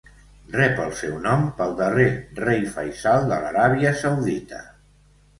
Rep el seu nom pel darrer rei Faisal de l'Aràbia Saudita.